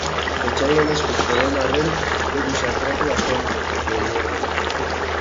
Etsaien esku zegoen arren, leku sakratua zen, bederen.